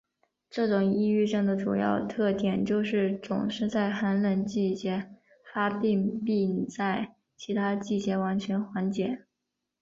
这种抑郁症的主要特点就是总是在寒冷季节发病并在其他季节完全缓解。